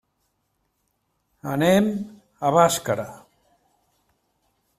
Anem a Bàscara.